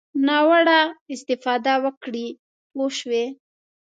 ناوړه استفاده وکړي پوه شوې!.